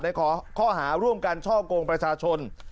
ในข้อหาร่วมกันช่อกงประชาชน